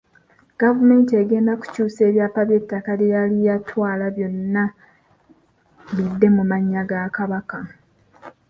Gavumenti egenda kukyusa ebyapa by'ettaka lye yali yatwala byonna bidde mu mannya ga Kabaka.